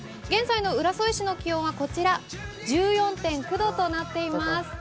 現在の浦添市の気温はこちら、１４．９度となっています。